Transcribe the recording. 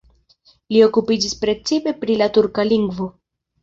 Li okupiĝis precipe pri la turka lingvo.